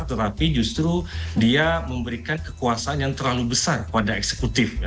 tetapi justru dia memberikan kekuasaan yang terlalu besar pada eksekutif